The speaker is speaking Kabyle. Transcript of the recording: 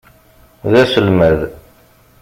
D aselmad.